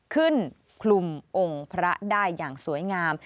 คลุมองค์พระได้อย่างสวยงาม